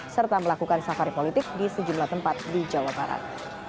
serta melakukan safari politik di sejumlah tempat di jawa barat